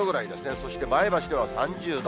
そして前橋では３０度。